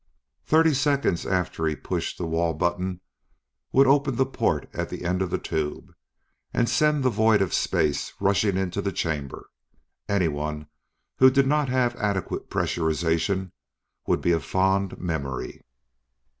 Thirty seconds after he pushed the wall button, would open the port at the end of the tube and send the void of space rushing into the chamber. Anyone who did not have adequate pressurization would be a fond memory.